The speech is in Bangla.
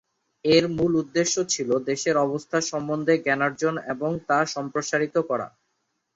এর মূল উদ্দেশ্য ছিল দেশের অবস্থা সম্বন্ধে জ্ঞানার্জন এবং তা সম্প্রসারিত করা।